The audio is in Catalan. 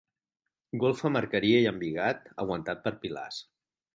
Golfa amb arqueria i embigat aguantat per pilars.